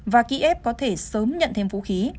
và kiev có thể sớm nhận thêm vũ khí